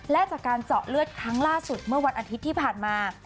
และจากการเจาะเลือดครั้งล่าสุดเมื่อวันอาทิตย์ที่ผ่านมา